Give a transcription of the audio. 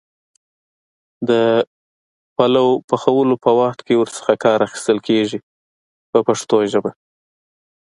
د پلو پخولو په وخت کې ور څخه کار اخیستل کېږي په پښتو ژبه.